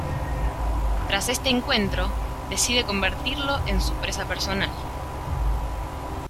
Tras este encuentro, decide convertirlo en su presa personal.